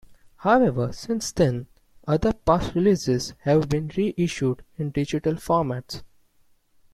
However, since then, other past releases have been reissued in digital formats.